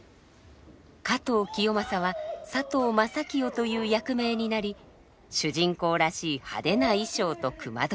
加藤清正は佐藤正清という役名になり主人公らしい派手な衣装と隈取。